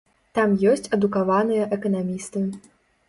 Там ёсць адукаваныя эканамісты.